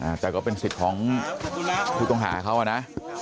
อ่าแต่ก็เป็นสิทธิ์ของถูกต้องหาเขาแล้วนะ